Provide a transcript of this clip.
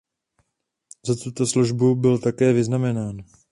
Za tuto službu byl také vyznamenán.